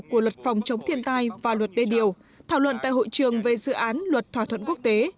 của luật phòng chống thiên tai và luật đê điều thảo luận tại hội trường về dự án luật thỏa thuận quốc tế